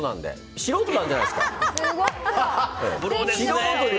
素人じゃないんですか？